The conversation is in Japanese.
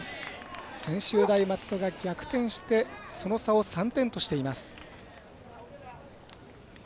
専修大松戸が逆転してその差を３点としています。